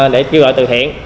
để ghi gọi từ thiện